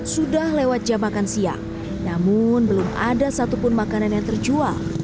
sudah lewat jam makan siang namun belum ada satupun makanan yang terjual